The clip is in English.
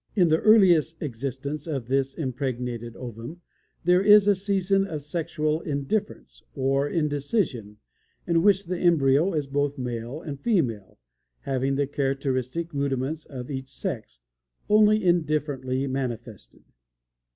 In the earliest existence of this impregnated ovum, there is a season of sexual indifference, or indecision, in which the embryo is both male and female, having the characteristic rudiments of each sex, only indifferently manifested.